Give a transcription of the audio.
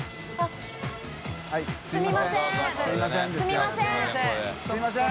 垢茵すみません！